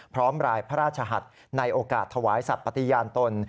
พร้อมรายพระราชหัสในโอกาสถวายสัตว์ปฏิญาณตน